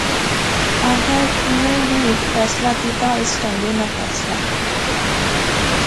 آخر انیں وی ہیک فیصلہ کیتیا اس ٹہنگے ناں فیصلہ